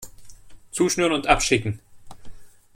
Zuschnüren und abschicken!